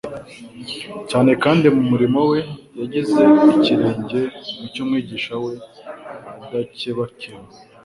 cyane kandi mu murimo we yageze ikirenge mu cy'Umwigisha we adakebakeba.